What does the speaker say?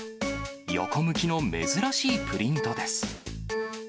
横向きの珍しいプリントです。